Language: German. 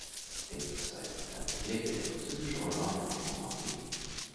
Den zweiten Platz belegte der französische Allrounder Jean Marty.